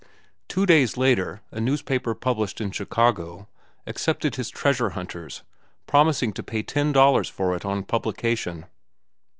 Two days later a newspaper published in Chicago accepted his "Treasure Hunters," promising to pay ten dollars for it on publication.